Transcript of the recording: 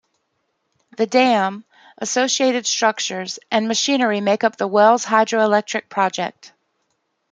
The dam, associated structures, and machinery make up the Wells Hydroelectric Project.